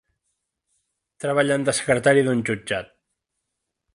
Treballen de secretaria d'un jutjat.